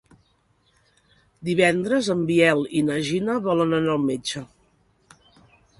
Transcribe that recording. Divendres en Biel i na Gina volen anar al metge.